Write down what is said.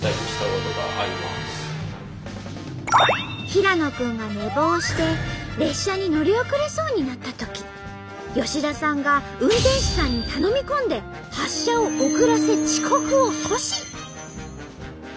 平野君が寝坊して列車に乗り遅れそうになったとき吉田さんが運転士さんに頼み込んで発車を遅らせ遅刻を阻止！